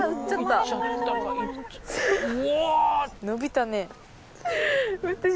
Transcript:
伸びたね。